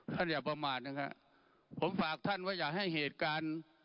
อย่าประมาทนะฮะผมฝากท่านว่าอย่าให้เหตุการณ์